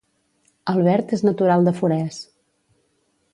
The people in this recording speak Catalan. Albert és natural de Forès